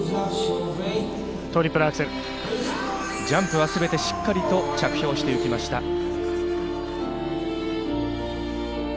ジャンプはすべてしっかりと着氷していきました。